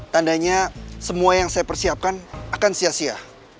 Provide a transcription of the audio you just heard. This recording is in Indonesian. tandanya semua yang saya persiapkan akan sia sia